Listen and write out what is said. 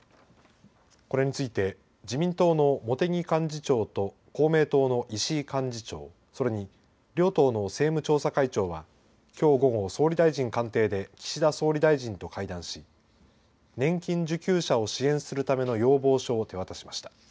これについて、自民党の茂木幹事長と公明党の石井幹事長、それに両党の政務調査会長は、きょう午後、総理大臣官邸で岸田総理大臣と会談し、年金受給者を支援するための要望書を手渡しました。